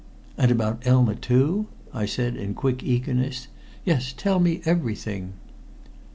"And about Elma, too?" I said in quick eagerness. "Yes, tell me everything."